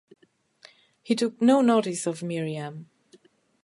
He took no notice of Miriam.